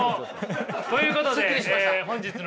ということで本日の。